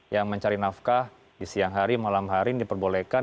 yang mencari nafkah di siang hari malam hari ini diperbolehkan